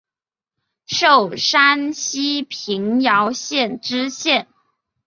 授山西平遥县知县。